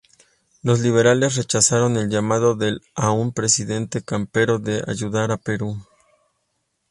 Los liberales rechazaron el llamado del aún presidente Campero de ayudar a Perú.